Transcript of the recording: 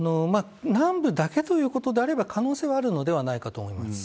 南部だけということであれば、可能性はあるのではないかと思います。